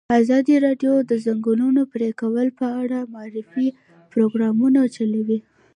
ازادي راډیو د د ځنګلونو پرېکول په اړه د معارفې پروګرامونه چلولي.